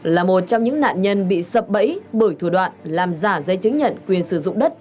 là một trong những nạn nhân bị sập bẫy bởi thủ đoạn làm giả giấy chứng nhận quyền sử dụng đất